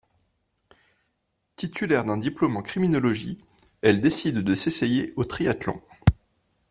Titulaire d'un diplôme en criminologie, elle décide de s'essayer au triathlon.